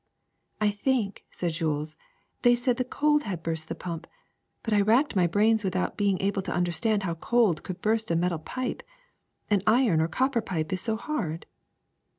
'' ^^I think,'' said Jules, *^they said the cold had burst the pump ; but I racked my brains without be ing able to understand how cold could burst a metal pipe. An iron or copper pipe is so hard!"